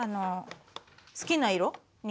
好きな色に。